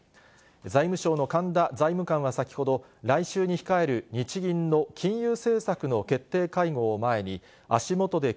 財務省の神田財務官は先ほど、来週に控える日銀の金融政策の決定会合を前に、以上、きょうコレをお伝えしました。